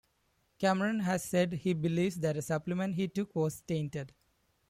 Cameron has said he believes that a supplement he took was tainted.